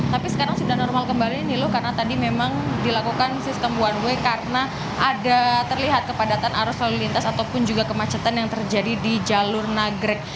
tapi sekarang sudah normal kembali niluh karena tadi memang dilakukan sistem one way karena ada terlihat kepadatan arus lalu lintas ataupun juga kemacetan yang terjadi di jalur nagrek